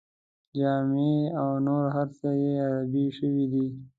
جامې او نور هر څه یې عربي شوي دي.